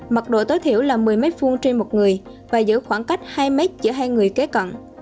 mật độ tối thiểu là một mươi m hai trên một người và giữ khoảng cách hai m giữa hai người kế cận